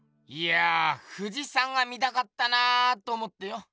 いやぁ富士山が見たかったなぁと思ってよ。